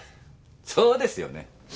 そうですよね。